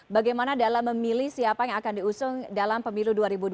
bagaimana dalam memilih siapa yang akan diusung dalam pemilu dua ribu dua puluh